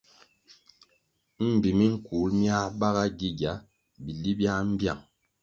Mbpi minkul miáh bágá gigia bili biáh mbiang.